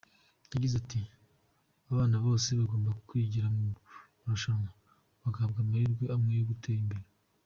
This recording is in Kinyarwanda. Yagize ati "Abana bose bagomba kwigira mu marushanwa bagahabwa amahirwe amwe yo gutera imbere.